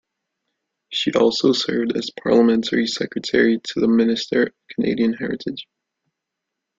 She also served as Parliamentary Secretary to the Minister of Canadian Heritage.